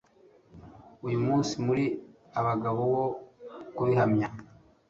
uyu munsi muri abagabo bo kubihamya